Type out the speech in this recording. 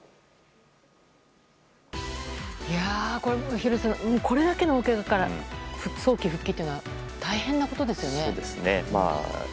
廣瀬さん、これだけの大けがから早期復帰というのは大変なことですよね。